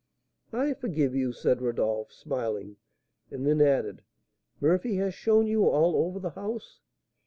"I forgive you," said Rodolph, smiling; and then added, "Murphy has shown you all over the house?"